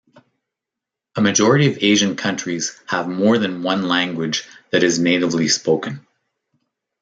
A majority of Asian countries have more than one language that is natively spoken.